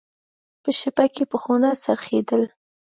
په شپه کې به خونه څرخېدل.